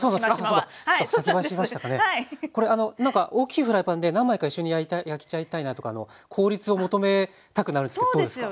なんか大きいフライパンで何枚か一緒に焼いちゃいたいなとか効率を求めたくなるんですけどどうですか？